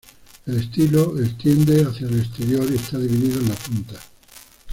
El estilo extiende hacia el exterior y está dividido en la punta.